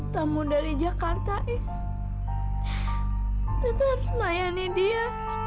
tamu dari jakarta is teteh harus layani dia